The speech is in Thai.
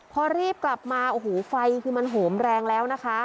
พอรีบกลับมาโอ้โหไฟคือมันโหมแรงแล้วนะคะ